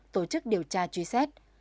tổ chức điều tra truy xét